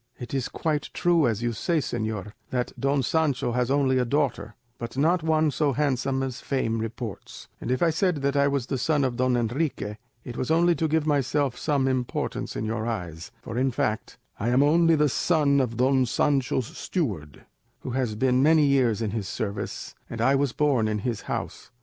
"It is quite true, as you say, señor, that Don Sancho has only a daughter, but not one so handsome as fame reports; and if I said that I was the son of Don Enrique it was only to give myself some importance in your eyes; for in fact, I am only the son of Don Sancho's steward, who has been many years in his service, and I was born in his house.